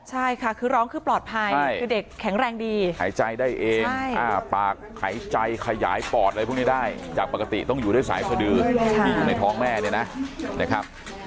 ใช่ค่ะคือร้องคือปลอดภัยคือเด็กแข็งแรงดีหายใจได้เองปากหายใจขยายปอดอะไรพวกนี้ได้จากปกติต้องอยู่ด้วยสายสดือที่อยู่ในท้องแม่เนี่ยนะนะครับ